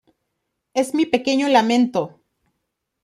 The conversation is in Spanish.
Es mi pequeño lamento".